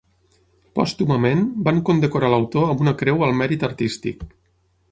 Pòstumament van condecorar l'autor amb una creu al mèrit artístic.